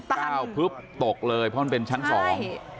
พลึบตกเลยเพราะมันเป็นชั้นสอง